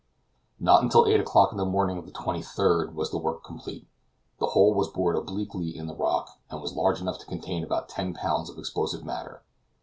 Not until eight o'clock on the morning of the 23d was the work complete. The hole was bored obliquely in the rock, and was large enough to contain about ten pounds of explosive matter.